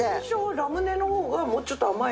ラムネのほうが。